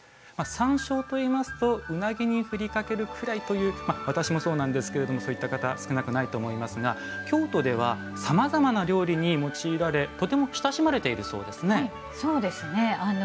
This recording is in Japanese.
山椒といいますとうなぎにふりかけるくらいという私もそうなんですけどそういった方、少なくないと思いますが京都ではさまざまな料理に用いられとても親しまれているそうですね。